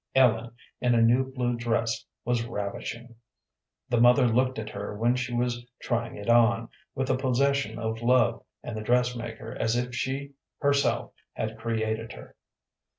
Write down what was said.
Ellen, in a new blue dress, was ravishing. The mother looked at her when she was trying it on, with the possession of love, and the dressmaker as if she herself had created her.